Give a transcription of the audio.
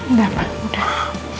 nggak apa udah